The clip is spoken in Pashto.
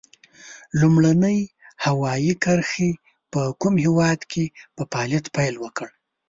لومړنۍ هوایي کرښې په کوم هېواد کې په فعالیت پیل وکړ؟